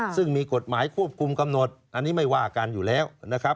ซึ่งมีกฎหมายควบคุมกำหนดอันนี้ไม่ว่ากันอยู่แล้วนะครับ